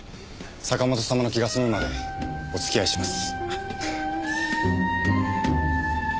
坂本様の気が済むまでおつきあいします。